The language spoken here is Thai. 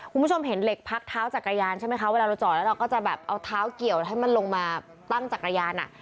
คุณผู้ชมเห็นเหล็กพักเท้าจักรยานใช่ไหมคะเวลาเราจอดแล้วเราก็จะแบบเอาเท้าเกี่ยวให้มันลงมาตั้งจักรยานอ่ะ